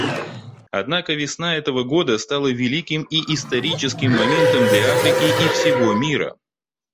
Однако весна этого года стала великим и историческим моментом для Африки и всего мира.